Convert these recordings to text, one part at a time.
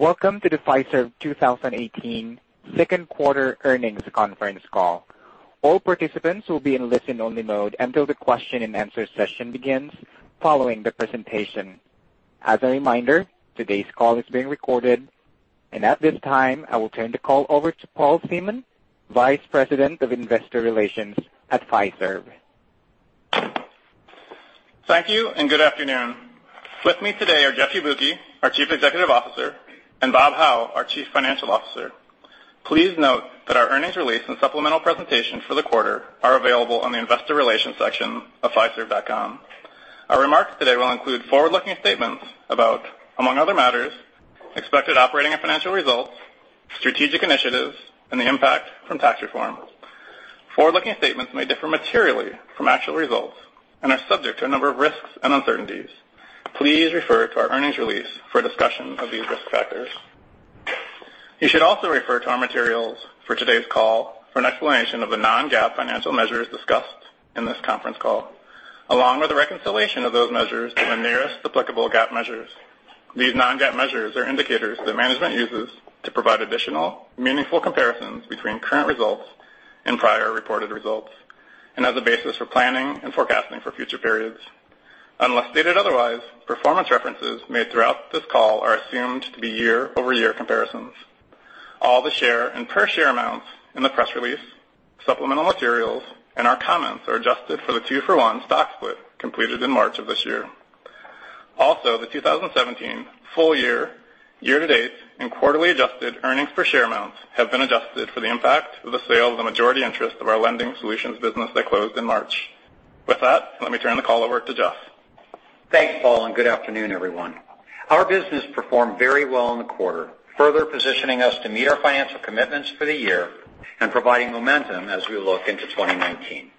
Welcome to the Fiserv 2018 second quarter earnings conference call. All participants will be in listen-only mode until the question and answer session begins following the presentation. As a reminder, today's call is being recorded. At this time, I will turn the call over to Paul Seaman, Vice President of Investor Relations at Fiserv. Thank you and good afternoon. With me today are Jeffery Yabuki, our Chief Executive Officer, and Robert Hau, our Chief Financial Officer. Please note that our earnings release and supplemental presentation for the quarter are available on the investor relations section of fiserv.com. Our remarks today will include forward-looking statements about, among other matters, expected operating and financial results, strategic initiatives, and the impact from tax reform. Forward-looking statements may differ materially from actual results and are subject to a number of risks and uncertainties. Please refer to our earnings release for a discussion of these risk factors. You should also refer to our materials for today's call for an explanation of the non-GAAP financial measures discussed in this conference call, along with a reconciliation of those measures to the nearest applicable GAAP measures. These non-GAAP measures are indicators that management uses to provide additional meaningful comparisons between current results and prior reported results, and as a basis for planning and forecasting for future periods. Unless stated otherwise, performance references made throughout this call are assumed to be year-over-year comparisons. All the share and per share amounts in the press release, supplemental materials, and our comments are adjusted for the two-for-one stock split completed in March of this year. Also, the 2017 full year-to-date, and quarterly adjusted earnings per share amounts have been adjusted for the impact of the sale of the majority interest of our Lending Solutions business that closed in March. With that, let me turn the call over to Jeff. Thanks, Paul, and good afternoon, everyone. Our business performed very well in the quarter, further positioning us to meet our financial commitments for the year and providing momentum as we look into 2019.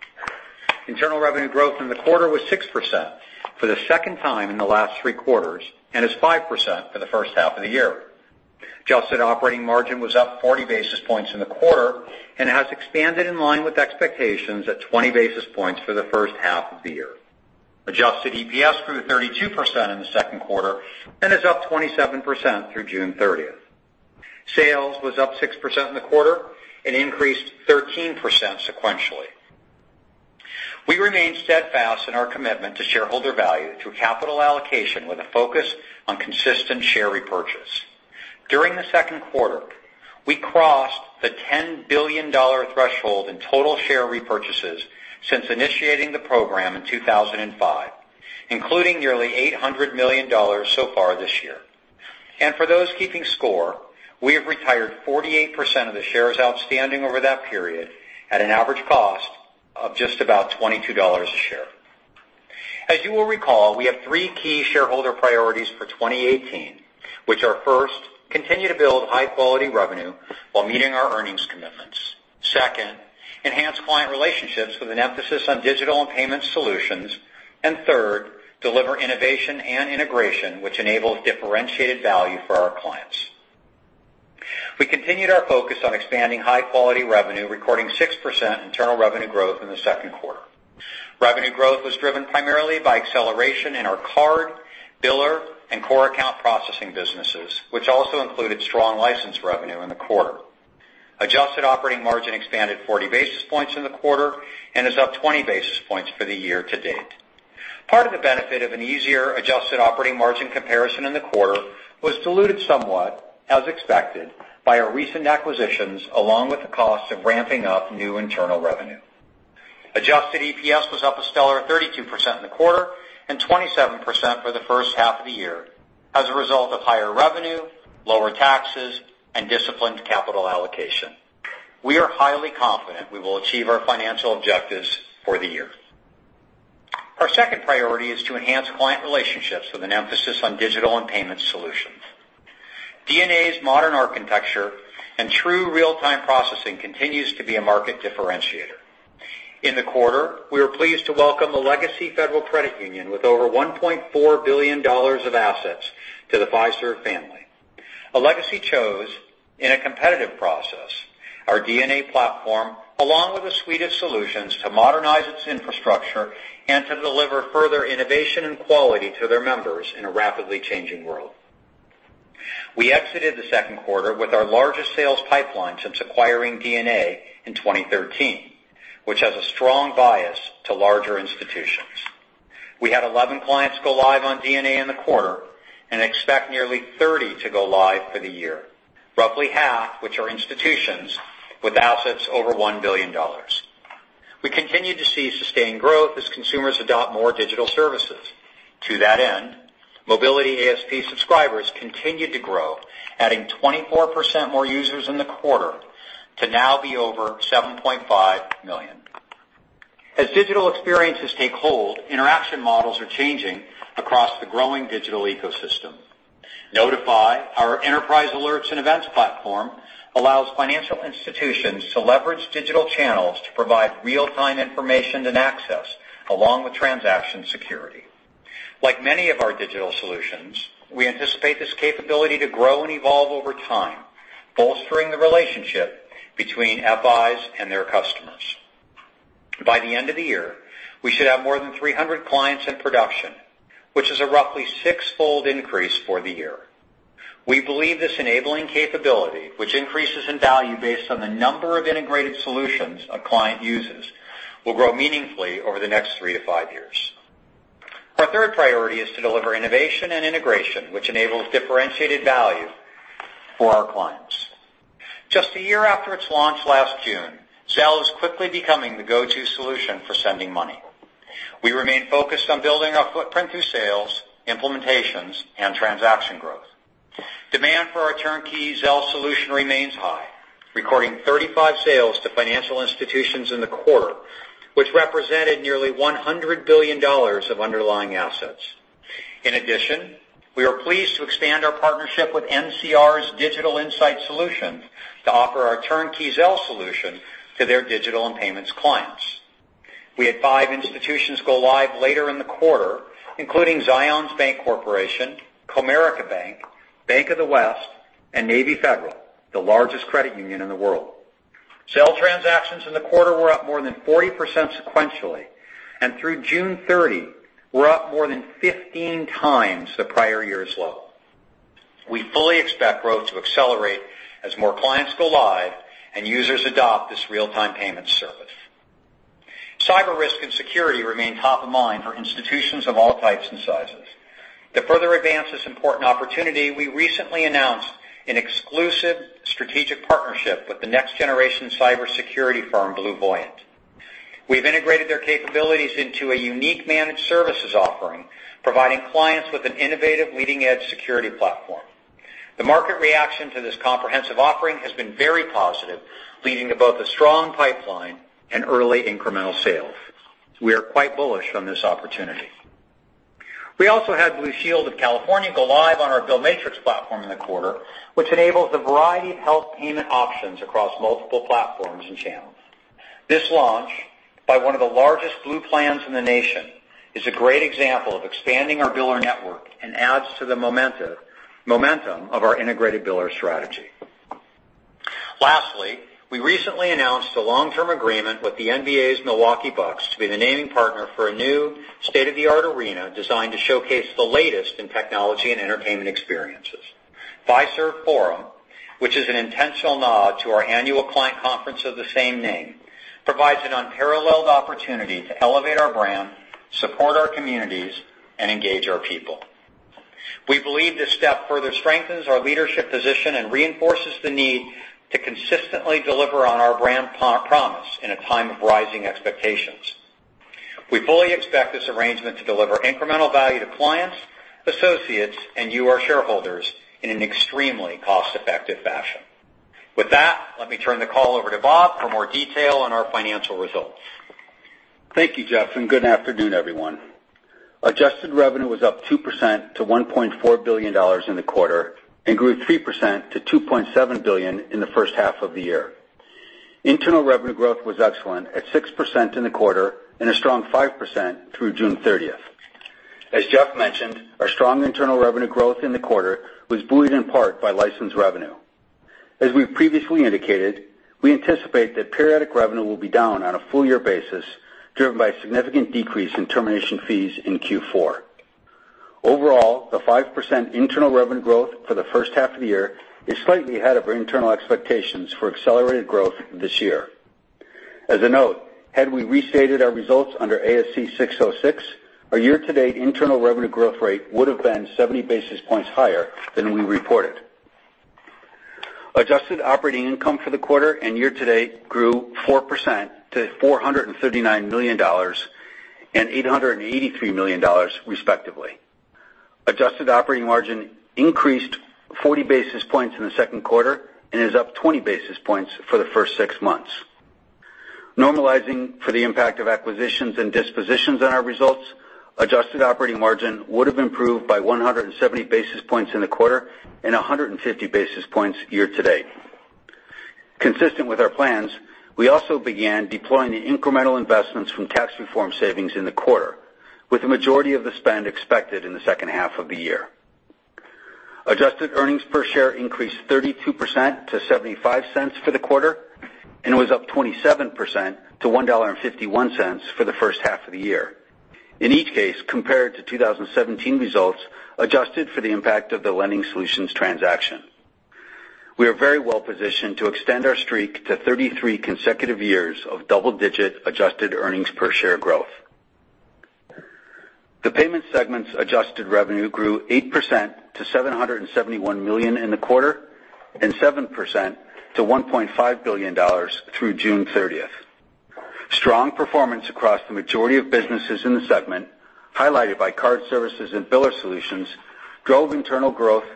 Internal revenue growth in the quarter was 6% for the second time in the last three quarters and is 5% for the first half of the year. Adjusted operating margin was up 40 basis points in the quarter and has expanded in line with expectations at 20 basis points for the first half of the year. Adjusted EPS grew 32% in the second quarter and is up 27% through June 30th. Sales was up 6% in the quarter and increased 13% sequentially. We remain steadfast in our commitment to shareholder value through capital allocation with a focus on consistent share repurchase. During the second quarter, we crossed the $10 billion threshold in total share repurchases since initiating the program in 2005, including nearly $800 million so far this year. For those keeping score, we have retired 48% of the shares outstanding over that period at an average cost of just about $22 a share. As you will recall, we have three key shareholder priorities for 2018, which are, first, continue to build high-quality revenue while meeting our earnings commitments. Second, enhance client relationships with an emphasis on digital and payment solutions. Third, deliver innovation and integration which enables differentiated value for our clients. We continued our focus on expanding high-quality revenue, recording 6% internal revenue growth in the second quarter. Revenue growth was driven primarily by acceleration in our card, biller, and core account processing businesses, which also included strong license revenue in the quarter. Adjusted operating margin expanded 40 basis points in the quarter and is up 20 basis points for the year to date. Part of the benefit of an easier adjusted operating margin comparison in the quarter was diluted somewhat, as expected, by our recent acquisitions, along with the cost of ramping up new internal revenue. Adjusted EPS was up a stellar 32% in the quarter and 27% for the first half of the year as a result of higher revenue, lower taxes, and disciplined capital allocation. We are highly confident we will achieve our financial objectives for the year. Our second priority is to enhance client relationships with an emphasis on digital and payment solutions. DNA's modern architecture and true real-time processing continues to be a market differentiator. In the quarter, we were pleased to welcome the Legacy Federal Credit Union with over $1.4 billion of assets to the Fiserv family. Legacy chose, in a competitive process, our DNA platform, along with a suite of solutions to modernize its infrastructure and to deliver further innovation and quality to their members in a rapidly changing world. We exited the second quarter with our largest sales pipeline since acquiring DNA in 2013, which has a strong bias to larger institutions. We had 11 clients go live on DNA in the quarter and expect nearly 30 to go live for the year, roughly half which are institutions with assets over $1 billion. To that end, Mobiliti ASP subscribers continued to grow, adding 24% more users in the quarter to now be over 7.5 million. As digital experiences take hold, interaction models are changing across the growing digital ecosystem. Notify, our enterprise alerts and events platform, allows financial institutions to leverage digital channels to provide real-time information and access along with transaction security. Like many of our digital solutions, we anticipate this capability to grow and evolve over time, bolstering the relationship between FIs and their customers. By the end of the year, we should have more than 300 clients in production, which is a roughly six-fold increase for the year. We believe this enabling capability, which increases in value based on the number of integrated solutions a client uses, will grow meaningfully over the next three to five years. Our third priority is to deliver innovation and integration, which enables differentiated value for our clients. Just a year after its launch last June, Zelle is quickly becoming the go-to solution for sending money. We remain focused on building our footprint through sales, implementations, and transaction growth. Demand for our turnkey Zelle solution remains high, recording 35 sales to financial institutions in the quarter, which represented nearly $100 billion of underlying assets. In addition, we are pleased to expand our partnership with NCR's Digital Insight solution to offer our turnkey Zelle solution to their digital and payments clients. We had five institutions go live later in the quarter, including Zions Bancorporation, Comerica Bank of the West, and Navy Federal, the largest credit union in the world. Zelle transactions in the quarter were up more than 40% sequentially, and through June 30, were up more than 15 times the prior year's low. We fully expect growth to accelerate as more clients go live and users adopt this real-time payment service. Cyber risk and security remain top of mind for institutions of all types and sizes. To further advance this important opportunity, we recently announced an exclusive strategic partnership with the next-generation cybersecurity firm, BlueVoyant. We've integrated their capabilities into a unique managed services offering, providing clients with an innovative leading-edge security platform. The market reaction to this comprehensive offering has been very positive, leading to both a strong pipeline and early incremental sales. We are quite bullish on this opportunity. We also had Blue Shield of California go live on our BillMatrix platform in the quarter, which enables a variety of health payment options across multiple platforms and channels. This launch, by one of the largest Blue plans in the nation, is a great example of expanding our biller network and adds to the momentum of our integrated biller strategy. Lastly, we recently announced a long-term agreement with the NBA's Milwaukee Bucks to be the naming partner for a new state-of-the-art arena designed to showcase the latest in technology and entertainment experiences. Fiserv Forum, which is an intentional nod to our annual client conference of the same name, provides an unparalleled opportunity to elevate our brand, support our communities, and engage our people. We believe this step further strengthens our leadership position and reinforces the need to consistently deliver on our brand promise in a time of rising expectations. We fully expect this arrangement to deliver incremental value to clients, associates, and you, our shareholders, in an extremely cost-effective fashion. With that, let me turn the call over to Bob for more detail on our financial results. Thank you, Jeff, and good afternoon, everyone. Adjusted revenue was up 2% to $1.4 billion in the quarter and grew 3% to $2.7 billion in the first half of the year. Internal revenue growth was excellent at 6% in the quarter and a strong 5% through June 30th. As Jeff mentioned, our strong internal revenue growth in the quarter was buoyed in part by license revenue. As we previously indicated, we anticipate that periodic revenue will be down on a full year basis, driven by a significant decrease in termination fees in Q4. Overall, the 5% internal revenue growth for the first half of the year is slightly ahead of our internal expectations for accelerated growth this year. As a note, had we restated our results under ASC 606, our year-to-date internal revenue growth rate would have been 70 basis points higher than we reported. Adjusted operating income for the quarter and year-to-date grew 4% to $439 million and $883 million, respectively. Adjusted operating margin increased 40 basis points in the second quarter and is up 20 basis points for the first six months. Normalizing for the impact of acquisitions and dispositions on our results, adjusted operating margin would have improved by 170 basis points in the quarter and 150 basis points year-to-date. Consistent with our plans, we also began deploying the incremental investments from tax reform savings in the quarter, with the majority of the spend expected in the second half of the year. Adjusted earnings per share increased 32% to $0.75 for the quarter and was up 27% to $1.51 for the first half of the year. In each case, compared to 2017 results, adjusted for the impact of the Lending Solutions transaction. We are very well positioned to extend our streak to 33 consecutive years of double-digit adjusted earnings per share growth. The payments segment's adjusted revenue grew 8% to $771 million in the quarter and 7% to $1.5 billion through June 30th. Strong performance across the majority of businesses in the segment, highlighted by Card Services and Biller Solutions, drove internal growth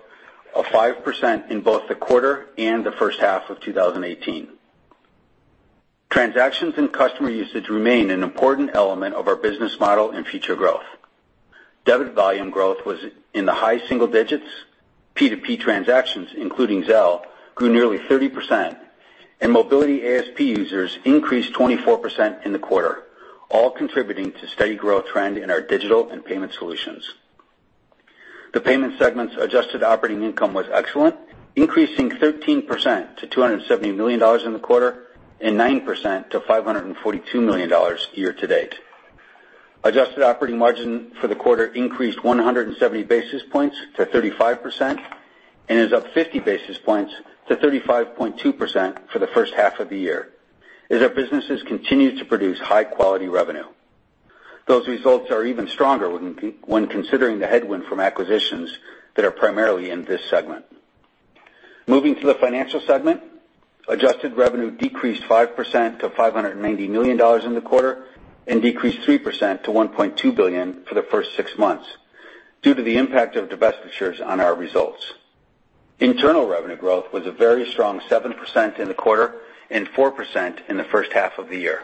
of 5% in both the quarter and the first half of 2018. Transactions and customer usage remain an important element of our business model and future growth. Debit volume growth was in the high single digits. P2P transactions, including Zelle, grew nearly 30%, and Mobiliti ASP users increased 24% in the quarter, all contributing to steady growth trend in our digital and payment solutions. The payment segment's adjusted operating income was excellent, increasing 13% to $270 million in the quarter, and 9% to $542 million year-to-date. Adjusted operating margin for the quarter increased 170 basis points to 35%, and is up 50 basis points to 35.2% for the first half of the year, as our businesses continue to produce high-quality revenue. Those results are even stronger when considering the headwind from acquisitions that are primarily in this segment. Moving to the financial segment, adjusted revenue decreased 5% to $590 million in the quarter, and decreased 3% to $1.2 billion for the first six months due to the impact of divestitures on our results. Internal revenue growth was a very strong 7% in the quarter and 4% in the first half of the year.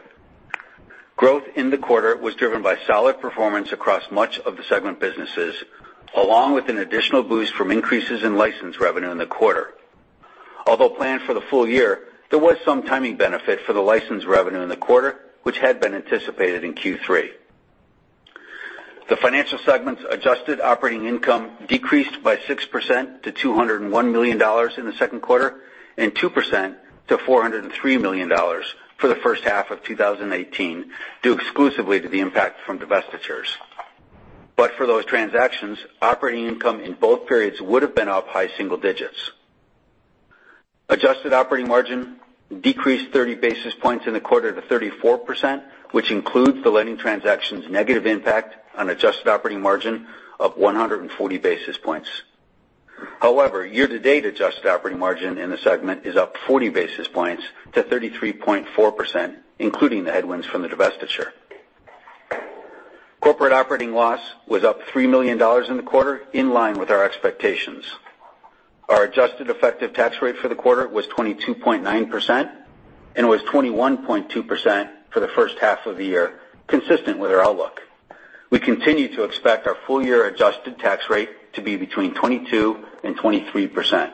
Growth in the quarter was driven by solid performance across much of the segment businesses, along with an additional boost from increases in license revenue in the quarter. Although planned for the full year, there was some timing benefit for the license revenue in the quarter, which had been anticipated in Q3. The financial segment's adjusted operating income decreased by 6% to $201 million in the second quarter, and 2% to $403 million for the first half of 2018 due exclusively to the impact from divestitures. For those transactions, operating income in both periods would have been up high single digits. Adjusted operating margin decreased 30 basis points in the quarter to 34%, which includes the lending transaction's negative impact on adjusted operating margin of 140 basis points. However, year-to-date adjusted operating margin in the segment is up 40 basis points to 33.4%, including the headwinds from the divestiture. Corporate operating loss was up $3 million in the quarter, in line with our expectations. Our adjusted effective tax rate for the quarter was 22.9% and was 21.2% for the first half of the year, consistent with our outlook. We continue to expect our full-year adjusted tax rate to be between 22% and 23%.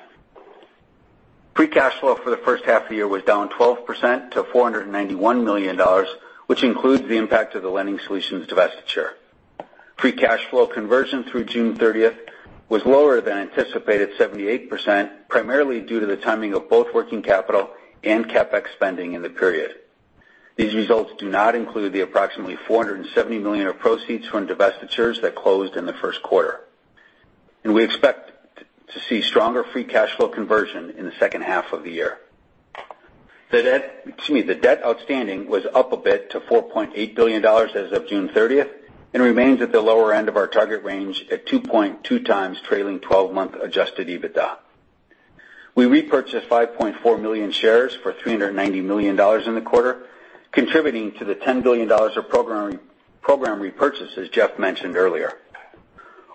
Free cash flow for the first half of the year was down 12% to $491 million, which includes the impact of the Lending Solutions divestiture. Free cash flow conversion through June 30th was lower than anticipated 78%, primarily due to the timing of both working capital and CapEx spending in the period. These results do not include the approximately $470 million of proceeds from divestitures that closed in the first quarter. We expect to see stronger free cash flow conversion in the second half of the year. The debt outstanding was up a bit to $4.8 billion as of June 30th, and remains at the lower end of our target range at 2.2 times trailing 12-month adjusted EBITDA. We repurchased 5.4 million shares for $390 million in the quarter, contributing to the $10 billion of program repurchases Jeff mentioned earlier.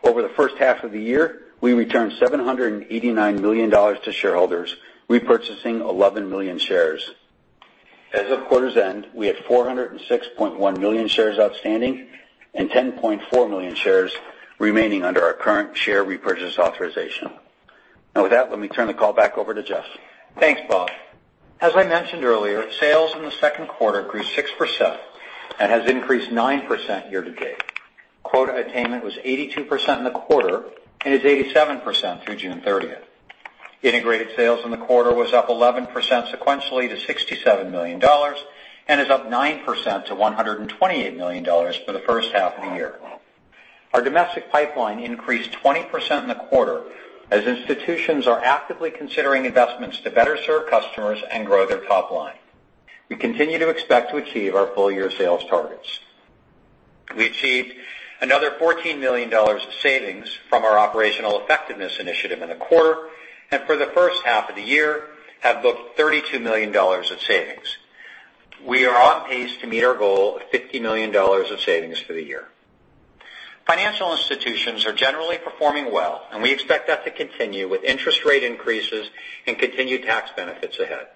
Over the first half of the year, we returned $789 million to shareholders, repurchasing 11 million shares. As of quarter's end, we have 406.1 million shares outstanding and 10.4 million shares remaining under our current share repurchase authorization. Now with that, let me turn the call back over to Jeff. Thanks, Bob. As I mentioned earlier, sales in the second quarter grew 6% and has increased 9% year-to-date. Quota attainment was 82% in the quarter and is 87% through June 30th. Integrated sales in the quarter was up 11% sequentially to $67 million and is up 9% to $128 million for the first half of the year. Our domestic pipeline increased 20% in the quarter as institutions are actively considering investments to better serve customers and grow their top line. We continue to expect to achieve our full-year sales targets. We achieved another $14 million of savings from our Operational Effectiveness Initiative in the quarter, and for the first half of the year have booked $32 million of savings. We are on pace to meet our goal of $50 million of savings for the year. Financial institutions are generally performing well, and we expect that to continue with interest rate increases and continued tax benefits ahead.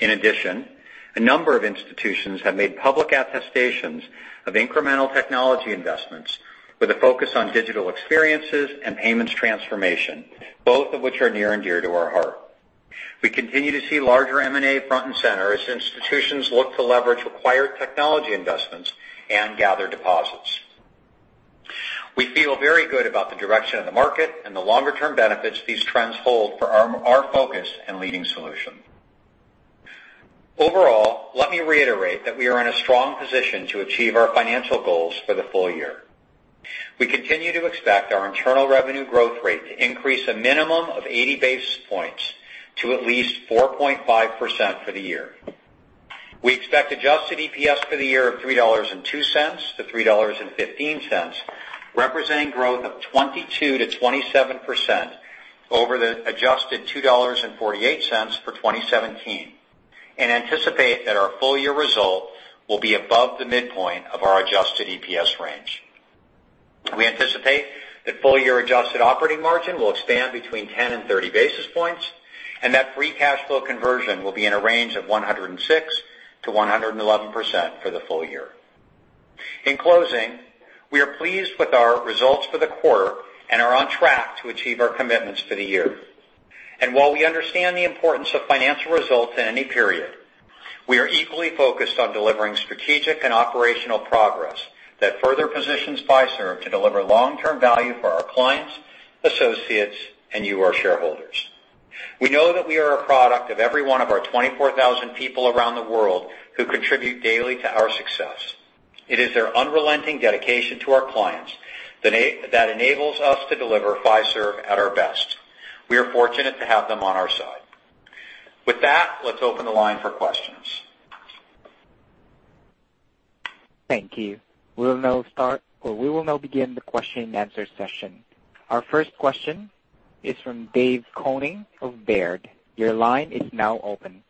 In addition, a number of institutions have made public attestations of incremental technology investments with a focus on digital experiences and payments transformation, both of which are near and dear to our heart. We continue to see larger M&A front and center as institutions look to leverage required technology investments and gather deposits. We feel very good about the direction of the market and the longer-term benefits these trends hold for our focus and leading solution. Overall, let me reiterate that we are in a strong position to achieve our financial goals for the full year. We continue to expect our internal revenue growth rate to increase a minimum of 80 basis points to at least 4.5% for the year. We expect adjusted EPS for the year of $3.02 to $3.15, representing growth of 22%-27% over the adjusted $2.48 for 2017, and anticipate that our full-year result will be above the midpoint of our adjusted EPS range. We anticipate that full-year adjusted operating margin will expand between 10 and 30 basis points, and that free cash flow conversion will be in a range of 106%-111% for the full year. In closing, we are pleased with our results for the quarter and are on track to achieve our commitments for the year. While we understand the importance of financial results in any period We are equally focused on delivering strategic and operational progress that further positions Fiserv to deliver long-term value for our clients, associates, and you, our shareholders. We know that we are a product of every one of our 24,000 people around the world who contribute daily to our success. It is their unrelenting dedication to our clients that enables us to deliver Fiserv at our best. We are fortunate to have them on our side. With that, let's open the line for questions. Thank you. We will now begin the question and answer session. Our first question is from David Koning of Baird. Your line is now open.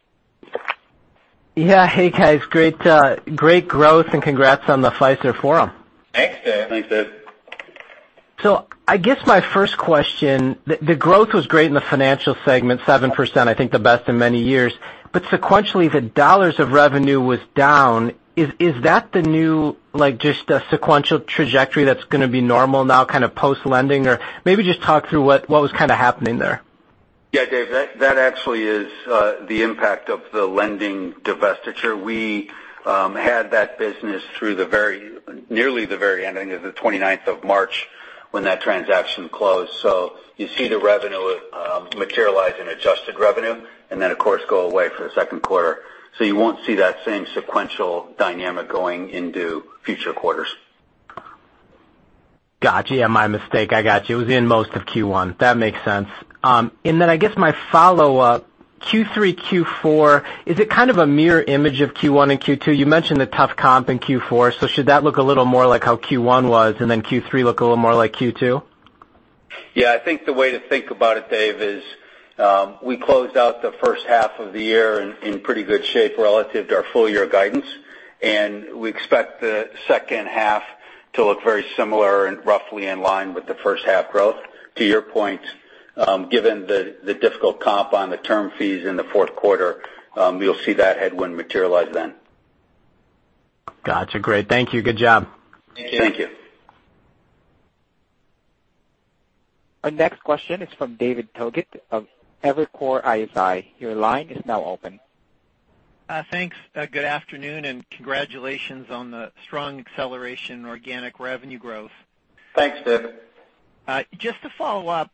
Yeah. Hey, guys. Great growth and congrats on the Fiserv Forum. Thanks, Dave. Thanks, Dave. I guess my first question, the growth was great in the financial segment, 7%, I think the best in many years. Sequentially, the dollars of revenue was down. Is that the new sequential trajectory that's going to be normal now, kind of post-Lending? Maybe just talk through what was kind of happening there. Yeah, Dave, that actually is the impact of the Lending divestiture. We had that business through nearly the very ending of the 29th of March when that transaction closed. You see the revenue materialize in adjusted revenue and then, of course, go away for the second quarter. You won't see that same sequential dynamic going into future quarters. Got you. Yeah, my mistake. I got you. It was in most of Q1. That makes sense. I guess my follow-up, Q3, Q4, is it kind of a mirror image of Q1 and Q2? You mentioned a tough comp in Q4, should that look a little more like how Q1 was, and then Q3 look a little more like Q2? Yeah. I think the way to think about it, Dave, is we closed out the first half of the year in pretty good shape relative to our full-year guidance. We expect the second half to look very similar and roughly in line with the first half growth. To your point, given the difficult comp on the term fees in the fourth quarter, you'll see that headwind materialize then. Got you. Great. Thank you. Good job. Thank you. Thank you. Our next question is from David Togut of Evercore ISI. Your line is now open. Thanks. Good afternoon. Congratulations on the strong acceleration organic revenue growth. Thanks, David. Just to follow up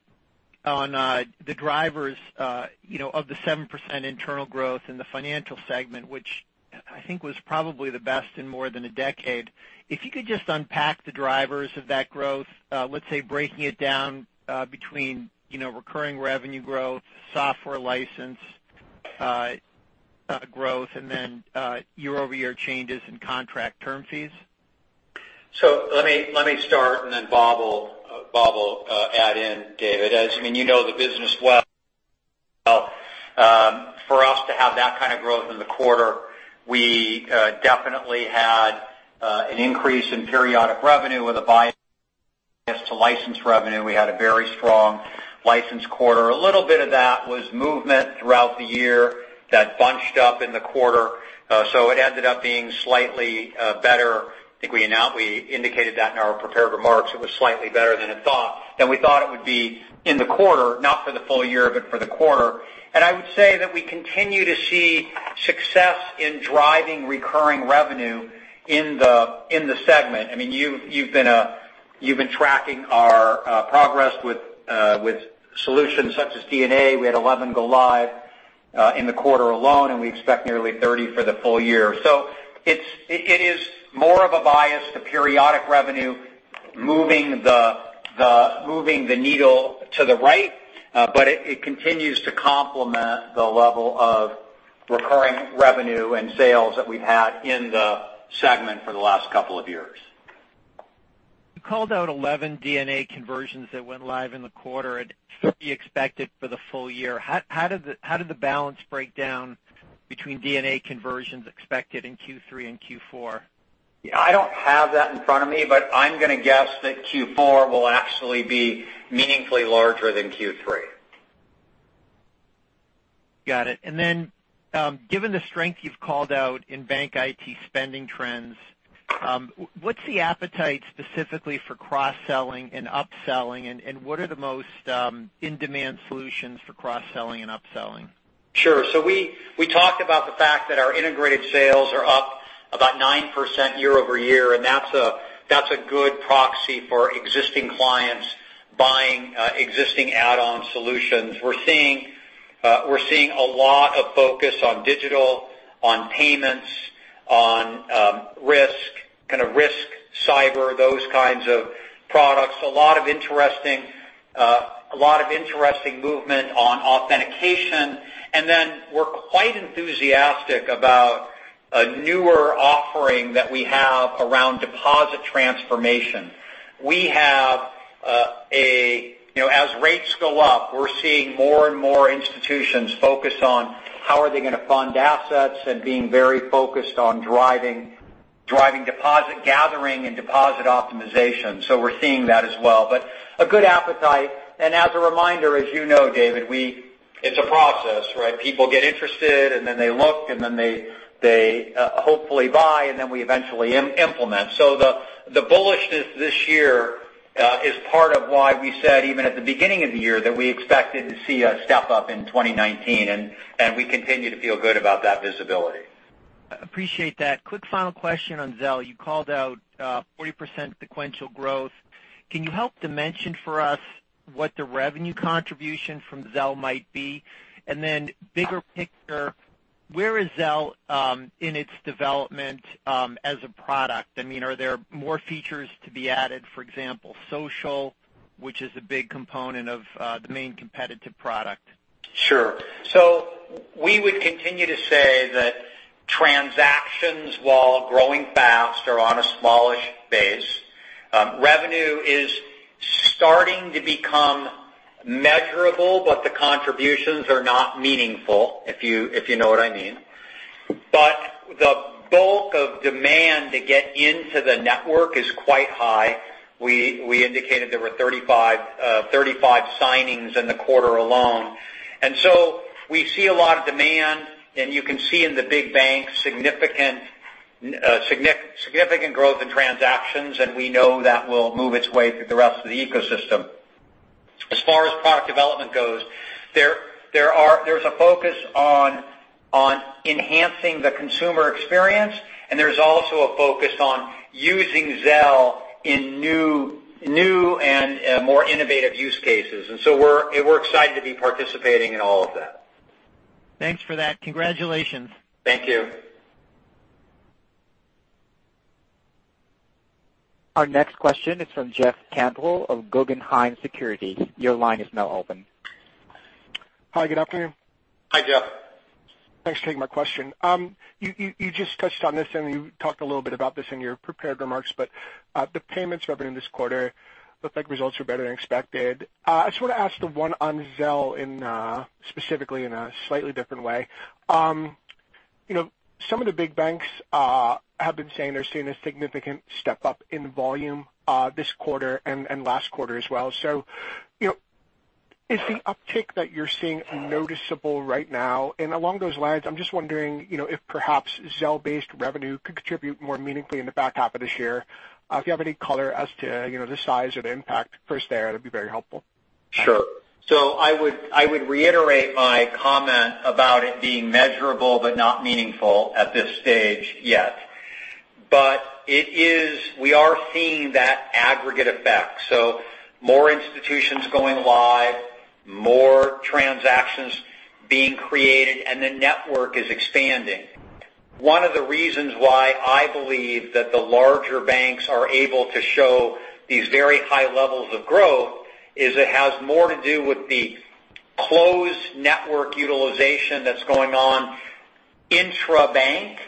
on the drivers of the 7% internal growth in the financial segment, which I think was probably the best in more than a decade. If you could just unpack the drivers of that growth, let's say breaking it down between recurring revenue growth, software license growth, and then year-over-year changes in contract term fees. Let me start and then Bob will add in, David. You know the business well. For us to have that kind of growth in the quarter, we definitely had an increase in periodic revenue with a bias to license revenue. We had a very strong license quarter. A little bit of that was movement throughout the year that bunched up in the quarter. It ended up being slightly better. I think we indicated that in our prepared remarks. It was slightly better than we thought it would be in the quarter. Not for the full year, but for the quarter. I would say that we continue to see success in driving recurring revenue in the segment. You've been tracking our progress with solutions such as DNA. We had 11 go live in the quarter alone, and we expect nearly 30 for the full year. It is more of a bias to periodic revenue moving the needle to the right. It continues to complement the level of recurring revenue and sales that we've had in the segment for the last couple of years. You called out 11 DNA conversions that went live in the quarter and 30 expected for the full year. How did the balance break down between DNA conversions expected in Q3 and Q4? Yeah, I don't have that in front of me, but I'm going to guess that Q4 will actually be meaningfully larger than Q3. Got it. Then, given the strength you've called out in bank IT spending trends, what's the appetite specifically for cross-selling and upselling, and what are the most in-demand solutions for cross-selling and upselling? Sure. We talked about the fact that our integrated sales are up about 9% year-over-year, and that's a good proxy for existing clients buying existing add-on solutions. We're seeing a lot of focus on digital, on payments, on risk, kind of risk cyber, those kinds of products. A lot of interesting movement on authentication. Then we're quite enthusiastic about a newer offering that we have around deposit transformation. As rates go up, we're seeing more and more institutions focus on how are they going to fund assets and being very focused on driving deposit gathering and deposit optimization. We're seeing that as well. A good appetite. As a reminder, as you know, David, it's a process, right? People get interested, and then they look, and then they People hopefully buy and then we eventually implement. The bullishness this year is part of why we said, even at the beginning of the year, that we expected to see a step up in 2019, we continue to feel good about that visibility. Appreciate that. Quick final question on Zelle. You called out 40% sequential growth. Can you help dimension for us what the revenue contribution from Zelle might be? Bigger picture, where is Zelle in its development as a product? Are there more features to be added, for example, social, which is a big component of the main competitive product? Sure. We would continue to say that transactions, while growing fast, are on a smallish base. Revenue is starting to become measurable, but the contributions are not meaningful, if you know what I mean. The bulk of demand to get into the network is quite high. We indicated there were 35 signings in the quarter alone. We see a lot of demand, and you can see in the big banks significant growth in transactions, and we know that will move its way through the rest of the ecosystem. As far as product development goes, there's a focus on enhancing the consumer experience, and there's also a focus on using Zelle in new and more innovative use cases. We're excited to be participating in all of that. Thanks for that. Congratulations. Thank you. Our next question is from Jeffrey Cantwell of Guggenheim Securities. Your line is now open. Hi, good afternoon. Hi, Jeff. Thanks for taking my question. You just touched on this, and you talked a little bit about this in your prepared remarks, but the payments revenue this quarter looked like results were better than expected. I just want to ask the one on Zelle specifically in a slightly different way. Some of the big banks have been saying they're seeing a significant step up in volume this quarter and last quarter as well. Is the uptick that you're seeing noticeable right now? Along those lines, I'm just wondering if perhaps Zelle-based revenue could contribute more meaningfully in the back half of this year. If you have any color as to the size or the impact for us there, that'd be very helpful. Sure. I would reiterate my comment about it being measurable but not meaningful at this stage yet. We are seeing that aggregate effect, so more institutions going live, more transactions being created, and the network is expanding. One of the reasons why I believe that the larger banks are able to show these very high levels of growth is it has more to do with the closed network utilization that's going on intra-bank,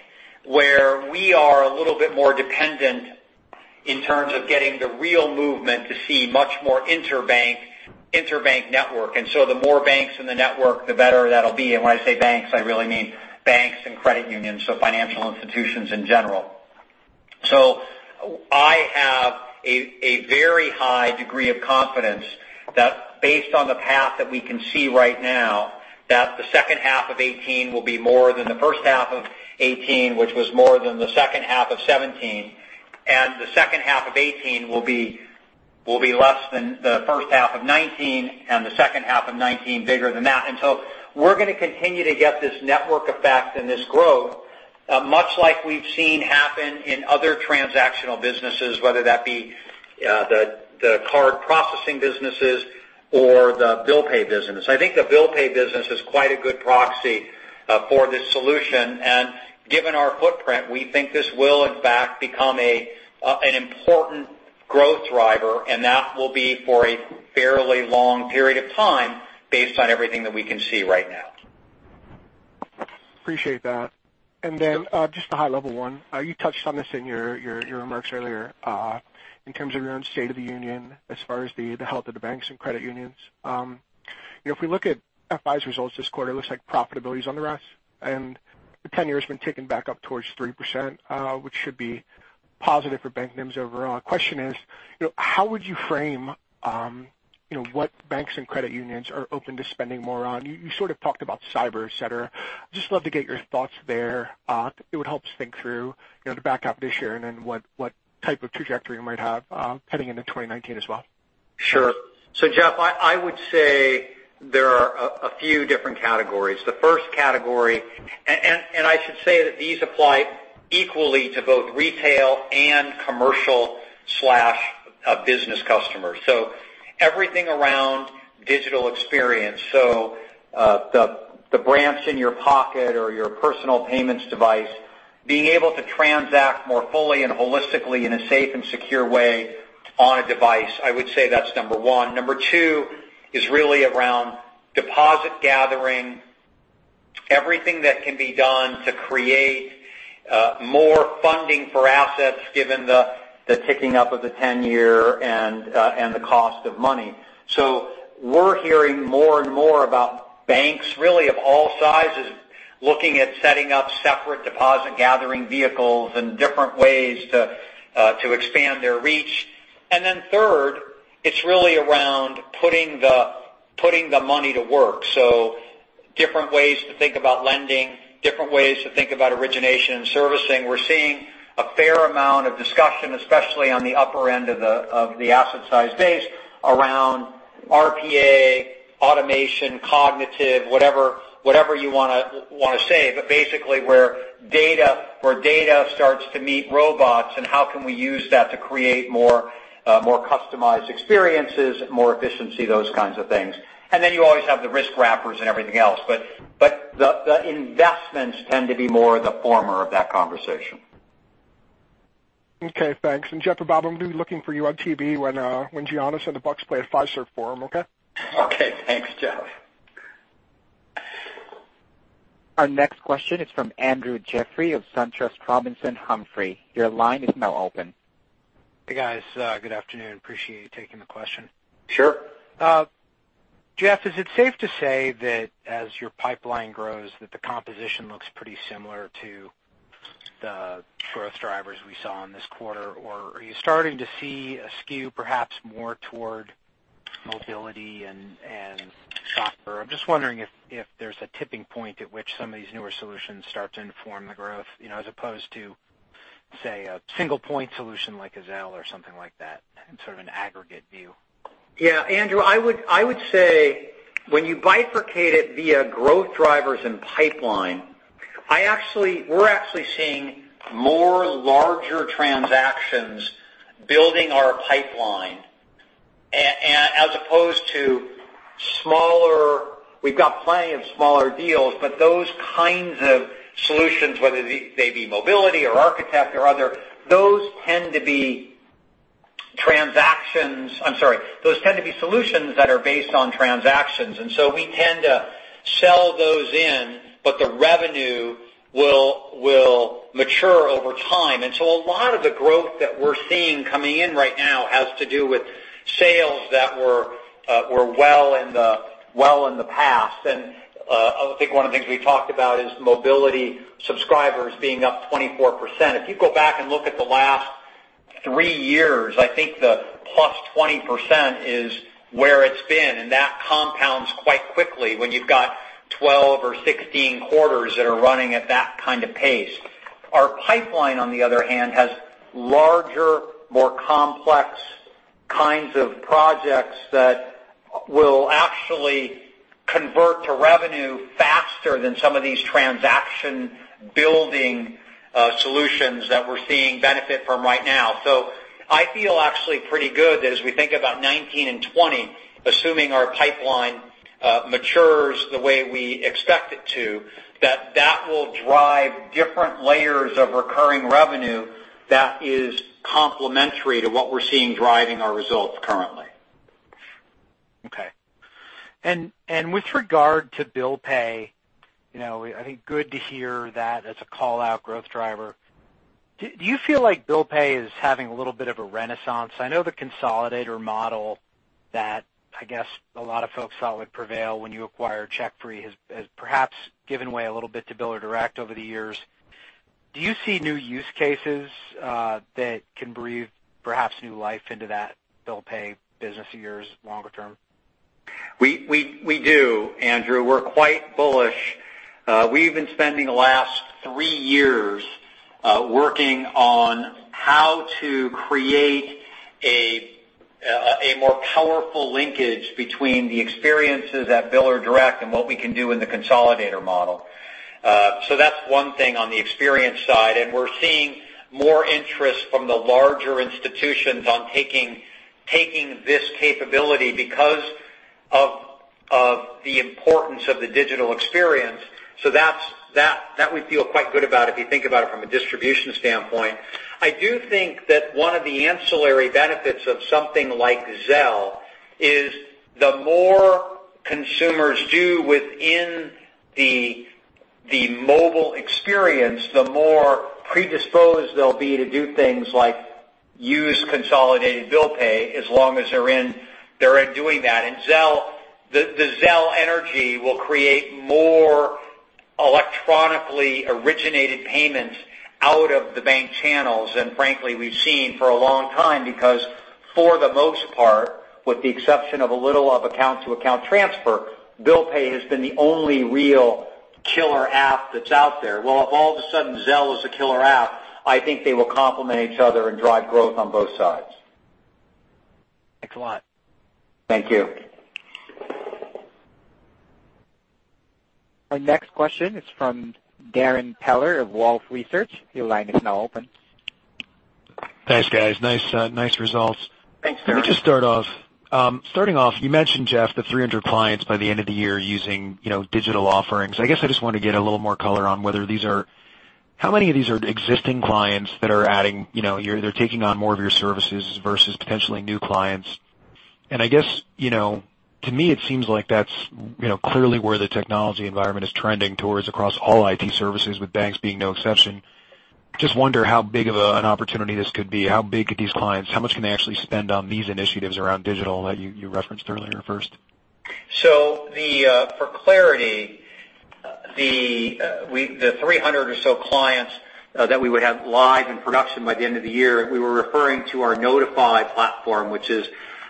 where we are a little bit more dependent in terms of getting the real movement to see much more inter-bank network. The more banks in the network, the better that'll be. When I say banks, I really mean banks and credit unions, so financial institutions in general. I have a very high degree of confidence that based on the path that we can see right now, that the second half of 2018 will be more than the first half of 2018, which was more than the second half of 2017. The second half of 2018 will be less than the first half of 2019, the second half of 2019 bigger than that. We're going to continue to get this network effect and this growth, much like we've seen happen in other transactional businesses, whether that be the card processing businesses or the Bill Pay business. I think the Bill Pay business is quite a good proxy for this solution. Given our footprint, we think this will in fact become an important growth driver, and that will be for a fairly long period of time based on everything that we can see right now. Appreciate that. Then just a high-level one. You touched on this in your remarks earlier in terms of your own state of the union as far as the health of the banks and credit unions. If we look at FI's results this quarter, it looks like profitability is on the rise, and the 10-year has been ticking back up towards 3%, which should be positive for bank NIMs overall. Question is, how would you frame what banks and credit unions are open to spending more on? You sort of talked about cyber, et cetera. I'd just love to get your thoughts there. It would help us think through the back half of this year and then what type of trajectory you might have heading into 2019 as well. Sure. Jeff, I would say there are a few different categories. The first category, and I should say that these apply equally to both retail and commercial/business customers. Everything around digital experience. The branch in your pocket or your personal payments device, being able to transact more fully and holistically in a safe and secure way on a device. I would say that's number one. Number two is really around deposit gathering, everything that can be done to create more funding for assets given the ticking up of the 10-year and the cost of money. We're hearing more and more about banks really of all sizes looking at setting up separate deposit gathering vehicles and different ways to expand their reach. Third, it's really around putting the money to work. Different ways to think about lending, different ways to think about origination and servicing. We're seeing a fair amount of discussion, especially on the upper end of the asset size base around RPA, automation, cognitive, whatever you want to say. Basically where data starts to meet robots, and how can we use that to create more customized experiences, more efficiency, those kinds of things. You always have the risk wrappers and everything else. The investments tend to be more the former of that conversation. Okay, thanks. Jeff and Bob, I'm going to be looking for you on TV when Giannis and the Bucks play at Fiserv Forum, okay? Okay, thanks, Jeff. Our next question is from Andrew Jeffrey of SunTrust Robinson Humphrey. Your line is now open. Hey, guys. Good afternoon. Appreciate you taking the question. Sure. Jeff, is it safe to say that as your pipeline grows, that the composition looks pretty similar to the growth drivers we saw in this quarter? Are you starting to see a skew perhaps more toward mobility and software? I'm just wondering if there's a tipping point at which some of these newer solutions start to inform the growth, as opposed to, say, a single point solution like a Zelle or something like that in sort of an aggregate view. Yeah. Andrew, I would say when you bifurcate it via growth drivers and pipeline, we're actually seeing more larger transactions building our pipeline as opposed to smaller. We've got plenty of smaller deals, but those kinds of solutions, whether they be mobility or Architect or other, those tend to be transactions. I'm sorry. Those tend to be solutions that are based on transactions. We tend to sell those in, but the revenue will mature over time. A lot of the growth that we're seeing coming in right now has to do with sales that were well in the past. I think one of the things we talked about is mobility subscribers being up 24%. If you go back and look at the last three years, I think the plus 20% is where it's been. That compounds quite quickly when you've got 12 or 16 quarters that are running at that kind of pace. Our pipeline, on the other hand, has larger, more complex kinds of projects that will actually convert to revenue faster than some of these transaction-building solutions that we're seeing benefit from right now. I feel actually pretty good that as we think about 2019 and 2020, assuming our pipeline matures the way we expect it to, that that will drive different layers of recurring revenue that is complementary to what we're seeing driving our results currently. Okay. With regard to Bill Pay, I think good to hear that as a call-out growth driver. Do you feel like Bill Pay is having a little bit of a renaissance? I know the consolidator model that I guess a lot of folks thought would prevail when you acquired CheckFree has perhaps given way a little bit to Biller Direct over the years. Do you see new use cases that can breathe perhaps new life into that Bill Pay business for years longer term? We do, Andrew. We're quite bullish. We've been spending the last three years working on how to create a more powerful linkage between the experiences at Biller Direct and what we can do in the consolidator model. That's one thing on the experience side. We're seeing more interest from the larger institutions on taking this capability because of the importance of the digital experience. That we feel quite good about if you think about it from a distribution standpoint. I do think that one of the ancillary benefits of something like Zelle is the more consumers do within the mobile experience, the more predisposed they'll be to do things like use consolidated Bill Pay as long as they're in doing that. The Zelle energy will create more electronically originated payments out of the bank channels than frankly we've seen for a long time because for the most part, with the exception of a little of account-to-account transfer, Bill Pay has been the only real killer app that's out there. Well, if all of a sudden Zelle is a killer app, I think they will complement each other and drive growth on both sides. Thanks a lot. Thank you. Our next question is from Darrin Peller of Wolfe Research. Your line is now open. Thanks, guys. Nice results. Thanks, Darrin. Let me just start off. Starting off, you mentioned, Jeff, the 300 clients by the end of the year using digital offerings. I guess I just wanted to get a little more color on how many of these are existing clients that are taking on more of your services versus potentially new clients. I just wonder how big of an opportunity this could be. How big could these clients, how much can they actually spend on these initiatives around digital that you referenced earlier first? For clarity, the 300 or so clients that we would have live in production by the end of the year, we were referring to our Enterprise Alerts platform,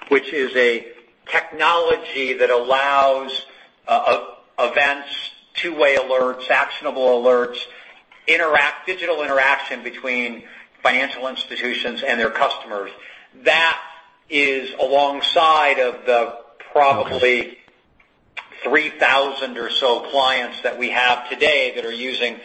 which is a technology that allows events, two-way alerts, actionable alerts, digital interaction between financial institutions and their customers. Okay 3,000 or so clients that we have today that are using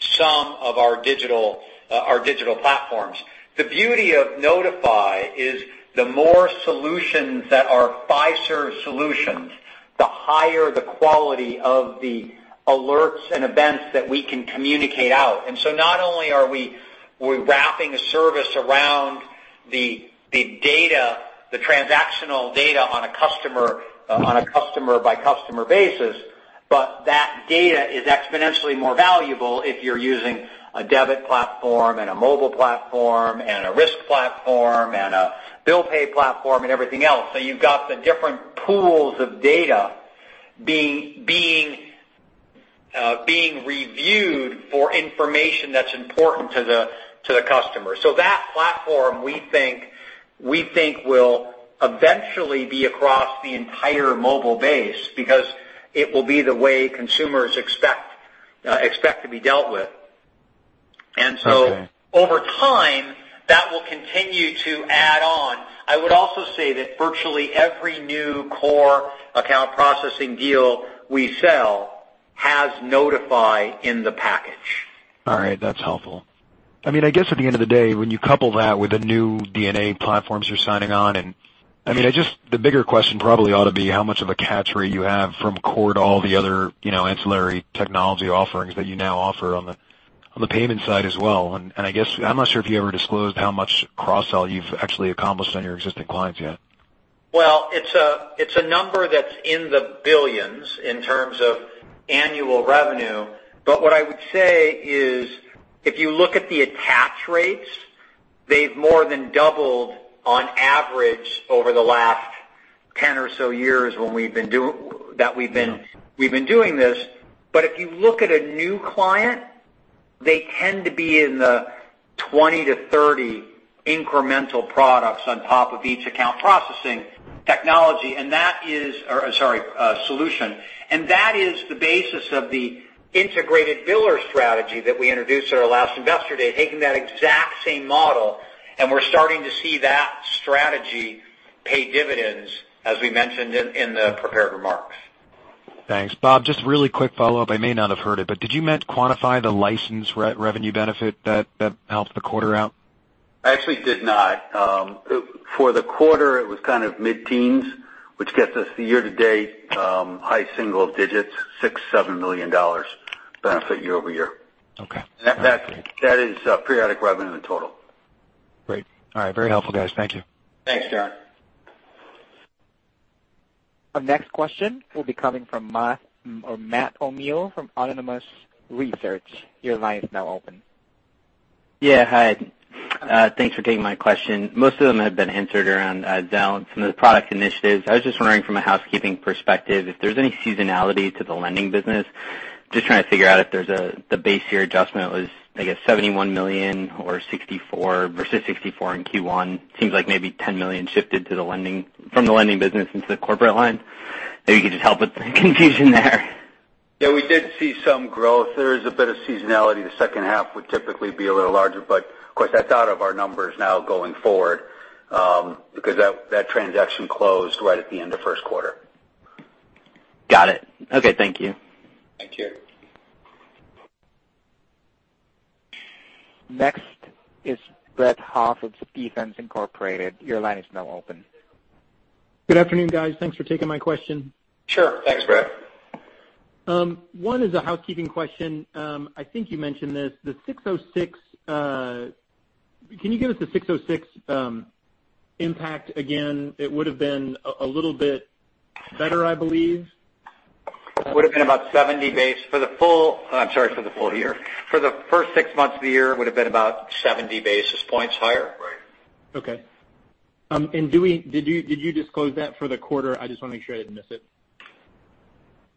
some of our digital platforms. The beauty of Enterprise Alerts is the more solutions that are Fiserv solutions, the higher the quality of the alerts and events that we can communicate out. Not only are we wrapping a service around the transactional data on a customer by customer basis, but that data is exponentially more valuable if you're using a debit platform and a mobile platform and a risk platform and a Bill Pay platform and everything else. You've got the different pools of data being reviewed for information that's important to the customer. That platform, we think, will eventually be across the entire mobile base because it will be the way consumers expect to be dealt with. Okay. Over time, that will continue to add on. I would also say that virtually every new core account processing deal we sell has Notify in the package. All right. That's helpful. I guess at the end of the day, when you couple that with the new DNA platforms you're signing on in, the bigger question probably ought to be how much of a catch rate you have from core to all the other ancillary technology offerings that you now offer on the payment side as well. I'm not sure if you ever disclosed how much cross-sell you've actually accomplished on your existing clients yet. Well, it's a number that's in the billions in terms of annual revenue. What I would say is if you look at the attach rates, they've more than doubled on average over the last 10 or so years that we've been- Yeah doing this. If you look at a new client, they tend to be in the 20-30 incremental products on top of each account processing solution. That is the basis of the integrated biller strategy that we introduced at our last Investor Day, taking that exact same model, and we're starting to see that strategy pay dividends, as we mentioned in the prepared remarks. Thanks. Bob, just really quick follow-up. I may not have heard it, but did you meant quantify the license revenue benefit that helped the quarter out? I actually did not. For the quarter, it was kind of mid-teens, which gets us to year-to-date high single digits, $6 million-$7 million benefit year-over-year. Okay. That is periodic revenue in total. Great. All right. Very helpful, guys. Thank you. Thanks, Darrin. Our next question will be coming from Matthew O'Neill from Autonomous Research. Your line is now open. Yeah, hi. Thanks for taking my question. Most of them have been answered around balance from the product initiatives. I was just wondering from a housekeeping perspective, if there's any seasonality to the lending business. Just trying to figure out if the base year adjustment was, I guess, $71 million versus $64 million in Q1. Seems like maybe $10 million shifted from the lending business into the corporate line. Maybe you could just help with the confusion there. Yeah, we did see some growth. There is a bit of seasonality. The second half would typically be a little larger, of course, that's out of our numbers now going forward because that transaction closed right at the end of first quarter. Got it. Okay. Thank you. Thank you. Next is Brett Huff of Defense Incorporated. Your line is now open. Good afternoon, guys. Thanks for taking my question. Sure. Thanks, Brett. One is a housekeeping question. I think you mentioned this. Can you give us the 606 impact again? It would've been a little bit better, I believe. It would've been about 70 basis points for the full year. For the first six months of the year, it would've been about 70 basis points higher. Right. Okay. Did you disclose that for the quarter? I just want to make sure I didn't miss it.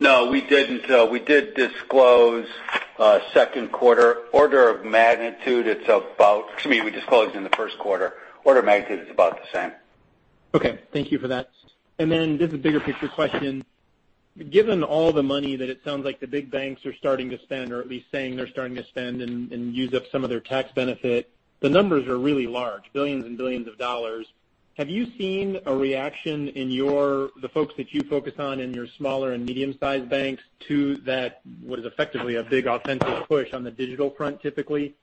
No, we didn't. We did disclose second quarter order of magnitude. Excuse me, we disclosed it in the first quarter. Order of magnitude is about the same. Okay. Thank you for that. This is a bigger picture question. Given all the money that it sounds like the big banks are starting to spend, or at least saying they're starting to spend and use up some of their tax benefit, the numbers are really large, $ billions and $ billions. Have you seen a reaction in the folks that you focus on in your smaller and medium-sized banks to that, what is effectively a big authentic push on the digital front typically?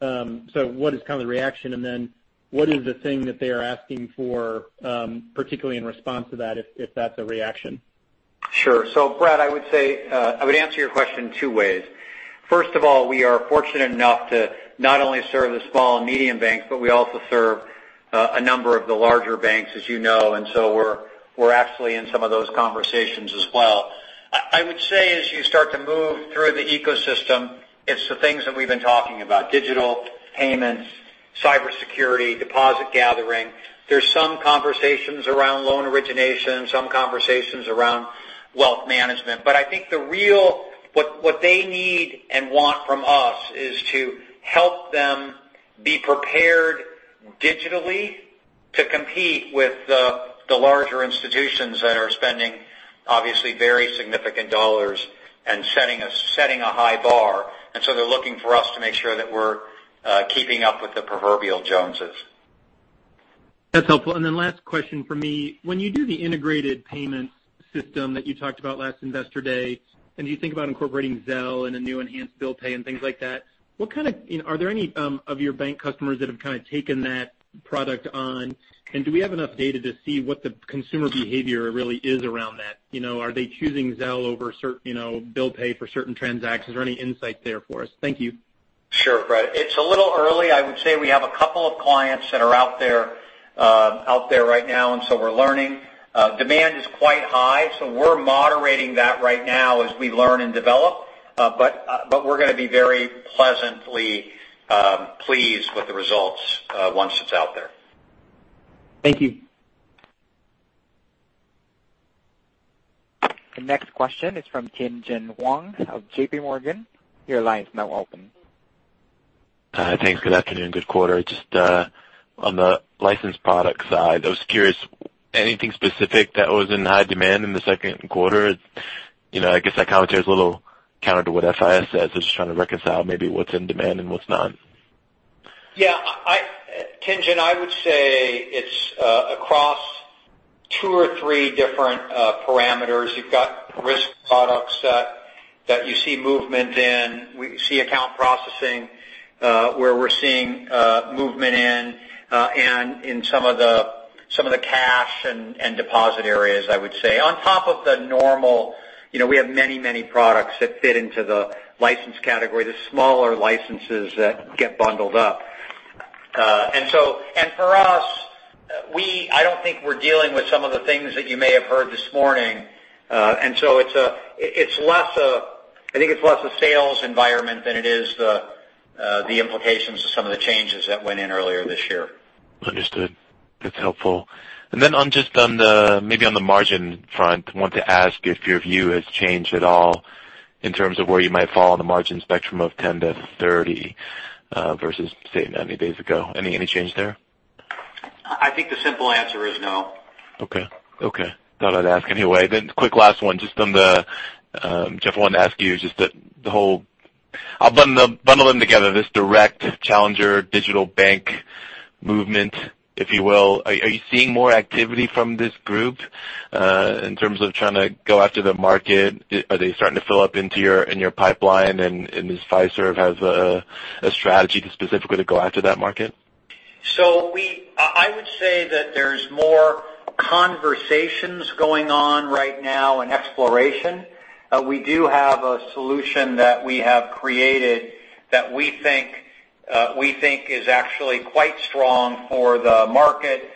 What is kind of the reaction, what is the thing that they are asking for, particularly in response to that if that's a reaction? Sure, Brett, I would answer your question two ways. First of all, we are fortunate enough to not only serve the small and medium banks, but we also serve a number of the larger banks, as you know. We're absolutely in some of those conversations as well. I would say as you start to move through the ecosystem, it's the things that we've been talking about, digital payments, Cybersecurity, deposit gathering. There's some conversations around loan origination, some conversations around wealth management. I think what they need and want from us is to help them be prepared digitally to compete with the larger institutions that are spending obviously very significant dollars and setting a high bar. They're looking for us to make sure that we're keeping up with the proverbial Joneses. That's helpful. Last question from me. When you do the integrated payment system that you talked about last Investor Day, and you think about incorporating Zelle and a new enhanced Bill Pay and things like that, are there any of your bank customers that have kind of taken that product on? Do we have enough data to see what the consumer behavior really is around that? Are they choosing Zelle over Bill Pay for certain transactions? Is there any insight there for us? Thank you. Sure, Brett. It's a little early. I would say we have a couple of clients that are out there right now, we're learning. Demand is quite high, so we're moderating that right now as we learn and develop. We're going to be very pleasantly pleased with the results once it's out there. Thank you. The next question is from Tien-Tsin Huang of J.P. Morgan. Your line is now open. Thanks. Good afternoon. Good quarter. Just on the licensed product side, I was curious, anything specific that was in high demand in the second quarter? I guess that commentary is a little counter to what FIS says. I was just trying to reconcile maybe what's in demand and what's not. Yeah. Tien-Tsin, I would say it is across two or three different parameters. You've got risk products that you see movement in. We see account processing where we're seeing movement in, and in some of the cash and deposit areas, I would say. On top of the normal, we have many products that fit into the licensed category, the smaller licenses that get bundled up. For us, I don't think we're dealing with some of the things that you may have heard this morning. I think it's less a sales environment than it is the implications of some of the changes that went in earlier this year. Understood. That's helpful. Just maybe on the margin front, I want to ask if your view has changed at all in terms of where you might fall on the margin spectrum of 10%-30% versus, say, 90 days ago. Any change there? I think the simple answer is no. Okay. Thought I'd ask anyway. Quick last one, just on the Jeff, wanted to ask you just the whole I'll bundle them together, this direct challenger digital bank movement, if you will. Are you seeing more activity from this group in terms of trying to go after the market? Are they starting to fill up in your pipeline? Does Fiserv have a strategy to specifically go after that market? I would say that there's more conversations going on right now in exploration. We do have a solution that we have created that we think is actually quite strong for the market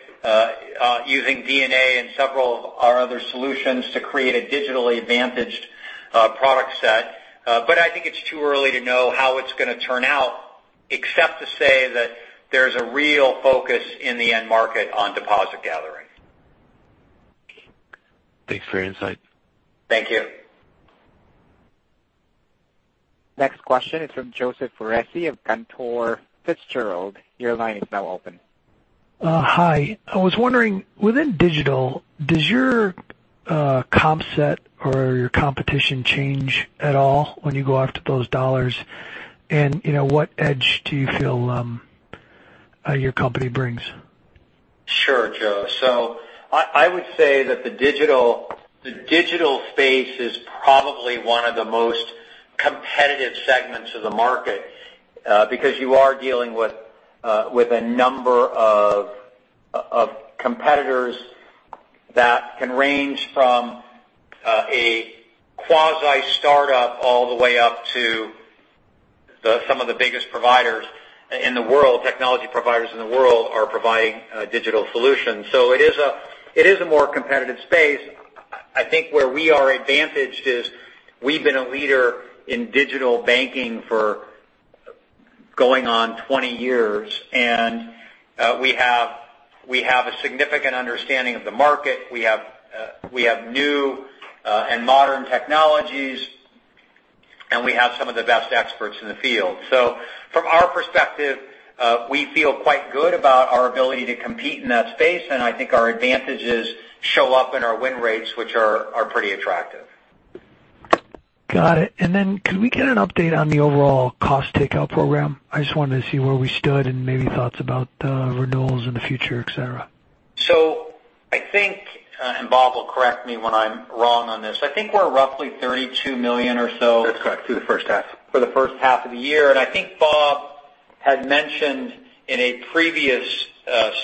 using DNA and several of our other solutions to create a digitally advantaged product set. I think it's too early to know how it's going to turn out, except to say that there's a real focus in the end market on deposit gathering. Thanks for your insight. Thank you. Next question is from Joseph Foresi of Cantor Fitzgerald. Your line is now open. Hi. I was wondering, within digital, does your comp set or your competition change at all when you go after those dollars? What edge do you feel your company brings? Sure, Joe. I would say that the digital space is probably one of the most competitive segments of the market because you are dealing with a number of competitors that can range from a quasi startup all the way up to some of the biggest technology providers in the world are providing digital solutions. It is a more competitive space. I think where we are advantaged is we've been a leader in digital banking for going on 20 years, and we have a significant understanding of the market. We have new and modern technologies, and we have some of the best experts in the field. From our perspective, we feel quite good about our ability to compete in that space, and I think our advantages show up in our win rates, which are pretty attractive. Got it. Could we get an update on the overall cost takeout program? I just wanted to see where we stood and maybe thoughts about renewals in the future, et cetera. I think, and Bob will correct me when I'm wrong on this. I think we're roughly $32 million or so. That's correct. Through the first half. For the first half of the year. I think Bob had mentioned in a previous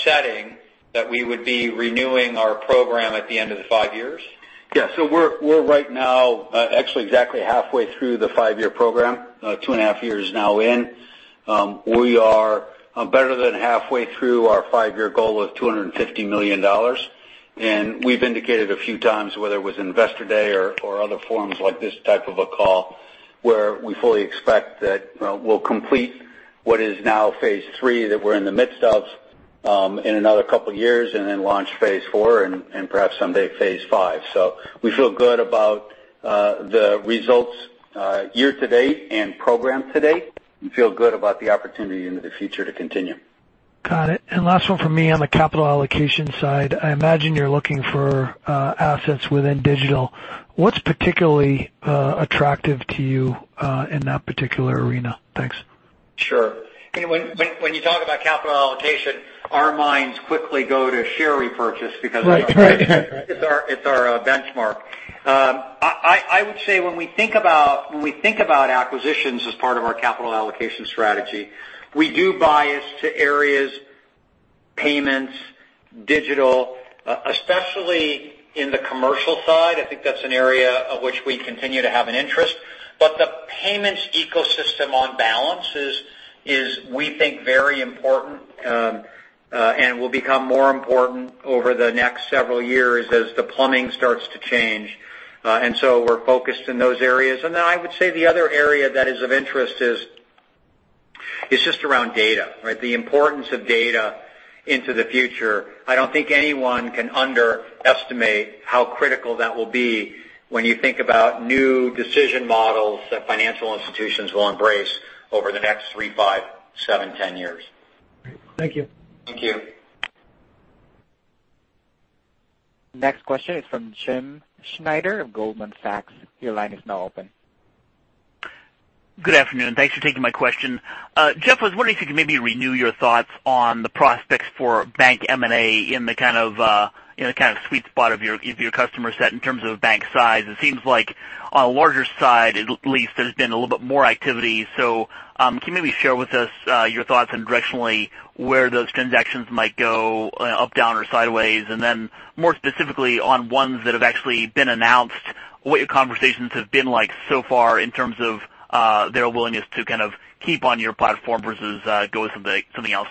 setting that we would be renewing our program at the end of the five years. We're right now actually exactly halfway through the five-year program, two and a half years now in. We are better than halfway through our five-year goal of $250 million. We've indicated a few times, whether it was Investor Day or other forums like this type of a call Where we fully expect that we'll complete what is now phase 3, that we're in the midst of in another couple of years, then launch phase 4 and perhaps someday phase 5. We feel good about the results year to date and program to date, and feel good about the opportunity into the future to continue. Got it. Last one from me. On the capital allocation side, I imagine you're looking for assets within digital. What's particularly attractive to you in that particular arena? Thanks. Sure. When you talk about capital allocation, our minds quickly go to share repurchase. Right. It's our benchmark. I would say, when we think about acquisitions as part of our capital allocation strategy, we do bias to areas, payments, digital, especially in the commercial side. I think that's an area of which we continue to have an interest. The payments ecosystem on balance is, we think, very important, and will become more important over the next several years as the plumbing starts to change. We're focused in those areas. I would say the other area that is of interest is just around data, right? The importance of data into the future. I don't think anyone can underestimate how critical that will be when you think about new decision models that financial institutions will embrace over the next three, five, seven, 10 years. Thank you. Thank you. Next question is from James Schneider of Goldman Sachs. Your line is now open. Good afternoon. Thanks for taking my question. Jeff, I was wondering if you could maybe renew your thoughts on the prospects for bank M&A in the kind of sweet spot of your customer set in terms of bank size. It seems like on a larger side, at least, there's been a little bit more activity. Can you maybe share with us your thoughts and directionally where those transactions might go up, down, or sideways? Then more specifically on ones that have actually been announced, what your conversations have been like so far in terms of their willingness to kind of keep on your platform versus go with something else?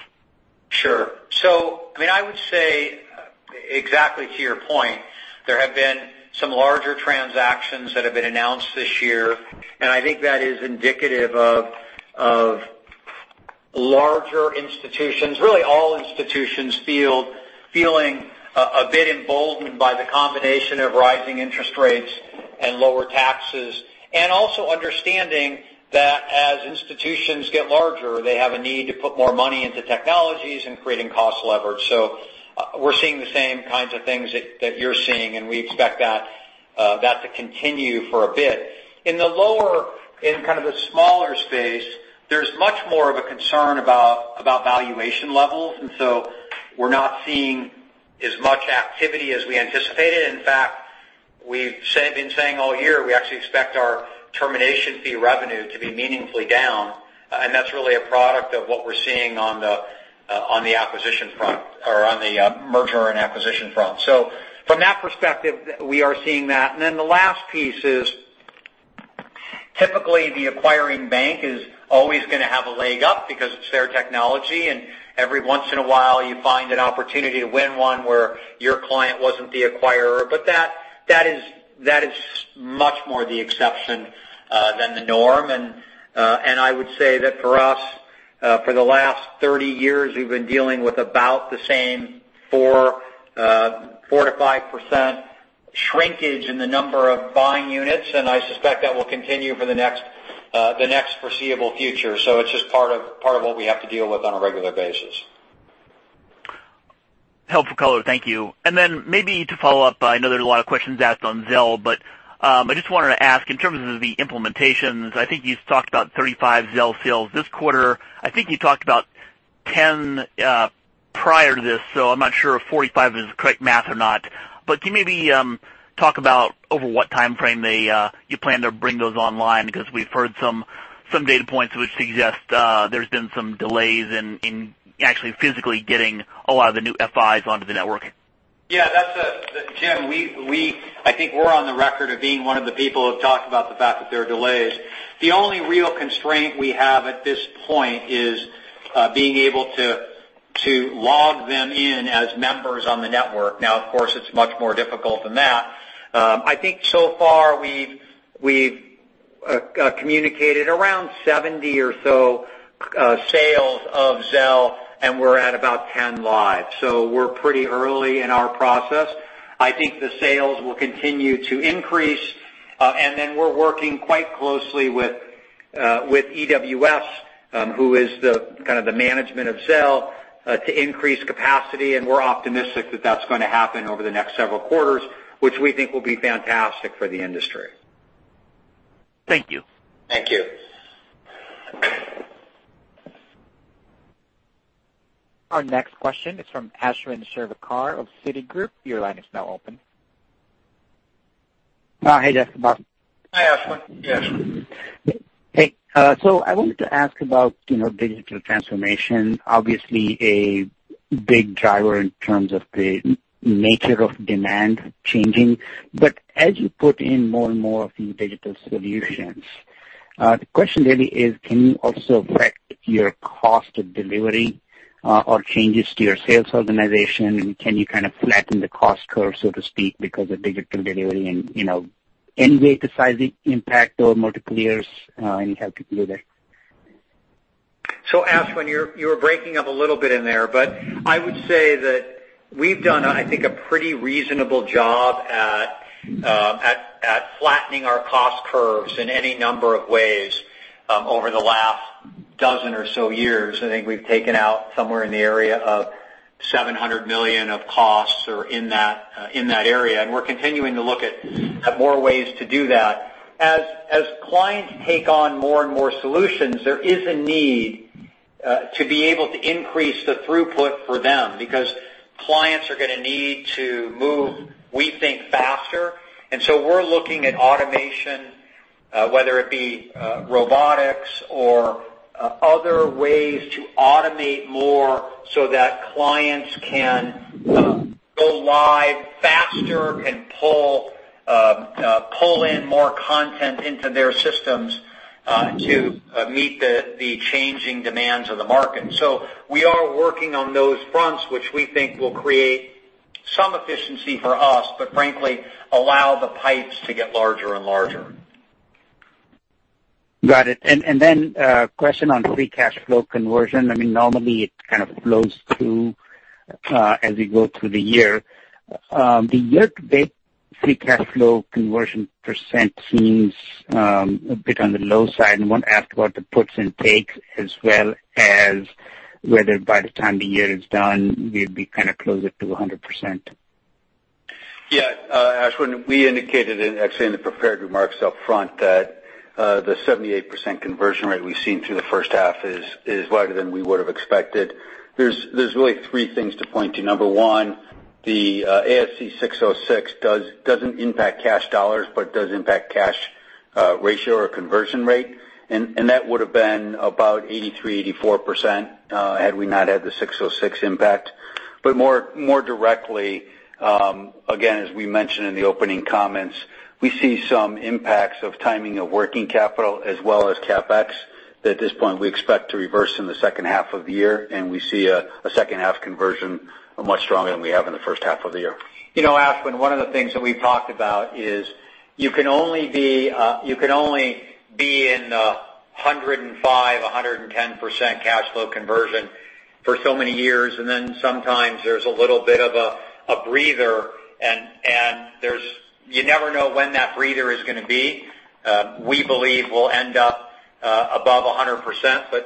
Sure. I would say exactly to your point, there have been some larger transactions that have been announced this year, and I think that is indicative of larger institutions, really all institutions feeling a bit emboldened by the combination of rising interest rates and lower taxes. Also understanding that as institutions get larger, they have a need to put more money into technologies and creating cost leverage. We're seeing the same kinds of things that you're seeing, and we expect that to continue for a bit. In the lower end, kind of the smaller space, there's much more of a concern about valuation levels, and we're not seeing as much activity as we anticipated. In fact, we've been saying all year, we actually expect our termination fee revenue to be meaningfully down, and that's really a product of what we're seeing on the acquisition front or on the merger and acquisition front. From that perspective, we are seeing that. The last piece is typically the acquiring bank is always going to have a leg up because it's their technology, and every once in a while you find an opportunity to win one where your client wasn't the acquirer. That is much more the exception than the norm. I would say that for us, for the last 30 years, we've been dealing with about the same 4%-5% shrinkage in the number of buying units, and I suspect that will continue for the next foreseeable future. It's just part of what we have to deal with on a regular basis. Helpful color. Thank you. Maybe to follow up, I know there's a lot of questions asked on Zelle, but I just wanted to ask in terms of the implementations, I think you've talked about 35 Zelle sales this quarter. I think you talked about 10 prior to this, so I'm not sure if 45 is the correct math or not. Can you maybe talk about over what timeframe you plan to bring those online? Because we've heard some data points which suggest there's been some delays in actually physically getting a lot of the new FIs onto the network. Yeah. James, I think we're on the record of being one of the people who have talked about the fact that there are delays. The only real constraint we have at this point is being able to log them in as members on the network. Of course, it's much more difficult than that. I think so far we've communicated around 70 or so sales of Zelle, and we're at about 10 live. We're pretty early in our process. I think the sales will continue to increase. We're working quite closely with EWS who is the management of Zelle to increase capacity, and we're optimistic that that's going to happen over the next several quarters, which we think will be fantastic for the industry. Thank you. Thank you. Our next question is from Ashwin Shirvaikar of Citigroup. Your line is now open. Hi, Jeff and Bob. Hi, Ashwin. Yes. Hey. I wanted to ask about digital transformation. Obviously a big driver in terms of the nature of demand changing. As you put in more and more of these digital solutions, the question really is, can you also affect your cost of delivery or changes to your sales organization? Can you kind of flatten the cost curve, so to speak, because of digital delivery and any way to size the impact over multiple years? Any help you can do there. Ashwin, you were breaking up a little bit in there, but I would say that we've done, I think, a pretty reasonable job at flattening our cost curves in any number of ways over the last dozen or so years. I think we've taken out somewhere in the area of $700 million of costs or in that area, and we're continuing to look at more ways to do that. As clients take on more and more solutions, there is a need to be able to increase the throughput for them because clients are going to need to move, we think, faster. We're looking at automation, whether it be robotics or other ways to automate more so that clients can go live faster and pull in more content into their systems to meet the changing demands of the market. We are working on those fronts, which we think will create some efficiency for us, but frankly, allow the pipes to get larger and larger. Got it. A question on free cash flow conversion. Normally it kind of flows through as we go through the year. The year-to-date free cash flow conversion % seems a bit on the low side. I want to ask what the puts and takes as well as whether by the time the year is done, we'd be kind of closer to 100%. Yeah. Ashwin, we indicated, actually in the prepared remarks upfront that the 78% conversion rate we've seen through the first half is wider than we would have expected. There's really three things to point to. Number 1, the ASC 606 doesn't impact cash $ but does impact cash ratio or conversion rate. That would have been about 83%-84%, had we not had the 606 impact. More directly, again, as we mentioned in the opening comments, we see some impacts of timing of working capital as well as CapEx that at this point we expect to reverse in the second half of the year, and we see a second half conversion much stronger than we have in the first half of the year. Ashwin, one of the things that we've talked about is you can only be in 105%-110% cash flow conversion for so many years, then sometimes there's a little bit of a breather. You never know when that breather is going to be. We believe we'll end up above 100%,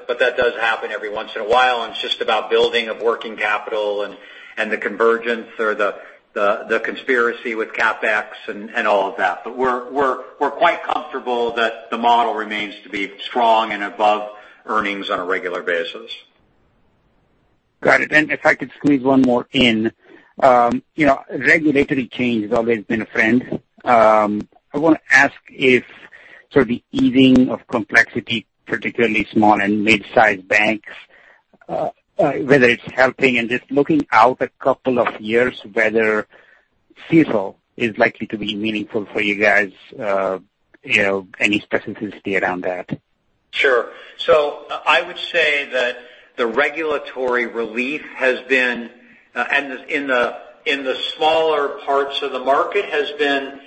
that does happen every once in a while, and it's just about building of working capital and the convergence or the conspiracy with CapEx and all of that. We're quite comfortable that the model remains to be strong and above earnings on a regular basis. Got it. If I could squeeze one more in. Regulatory change has always been a friend. I want to ask if the easing of complexity, particularly small and mid-sized banks whether it's helping and just looking out a couple of years whether CECL is likely to be meaningful for you guys, any specificity around that? Sure. I would say that the regulatory relief in the smaller parts of the market has been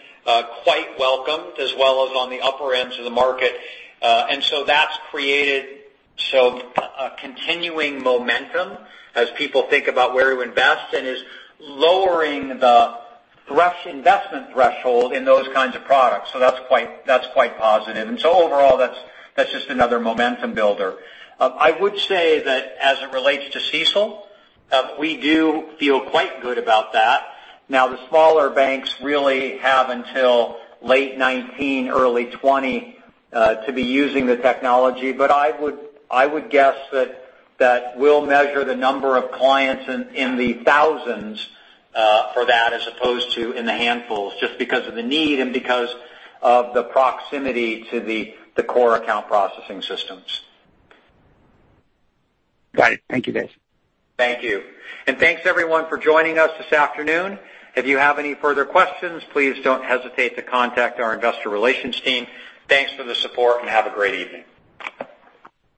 quite welcomed as well as on the upper ends of the market. That's created a continuing momentum as people think about where to invest and is lowering the investment threshold in those kinds of products. That's quite positive. Overall, that's just another momentum builder. I would say that as it relates to CECL, we do feel quite good about that. Now the smaller banks really have until late 2019, early 2020 to be using the technology. I would guess that we'll measure the number of clients in the thousands for that as opposed to in the handfuls, just because of the need and because of the proximity to the core account processing systems. Got it. Thank you, guys. Thank you. Thanks everyone for joining us this afternoon. If you have any further questions, please don't hesitate to contact our investor relations team. Thanks for the support and have a great evening.